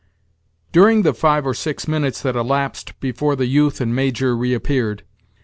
During the five or six minutes that elapsed before the youth and Major reappeared.